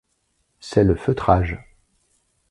C'est le feutrage.